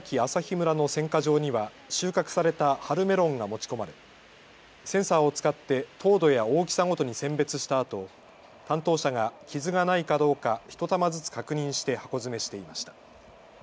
村の選果場には収穫された春メロンが持ち込まれセンサーを使って糖度や大きさごとに選別したあと担当者が傷がないかどうかひと玉ずつ確認して箱詰めしていました。